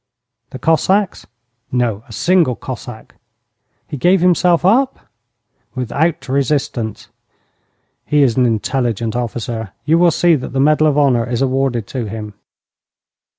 'The Cossacks?' 'No, a single Cossack.' 'He gave himself up?' 'Without resistance.' 'He is an intelligent officer. You will see that the medal of honour is awarded to him.'